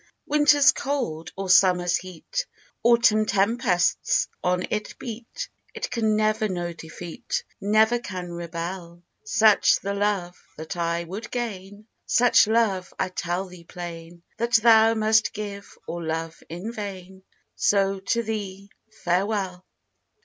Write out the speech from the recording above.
Winter's cold, or summer's heat, Autumn tempests on it beat, It can never know defeat, Never can rebel; Such the love that I would gain, Such love, I tell thee plain, That thou must give or love in vain, So to thee farewell.